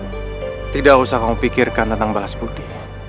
tidak usah kamu pikirkan tentang balas budi